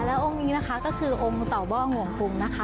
แล้วองค์นี้ก็คือองค์ต่อบ้องหวงกุมค่ะ